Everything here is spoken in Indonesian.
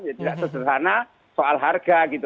ya tidak sederhana soal harga gitu